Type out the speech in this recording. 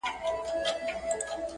موږ چي له کله عرف او عادات